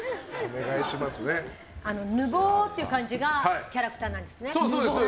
ぬぼーっていう感じがキャラクターなんですね。